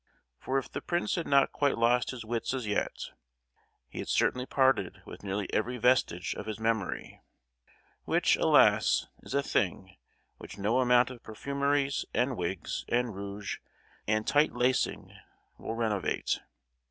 For if the prince had not quite lost his wits as yet, he had certainly parted with nearly every vestige of his memory, which—alas!—is a thing which no amount of perfumeries and wigs and rouge and tight lacing will renovate.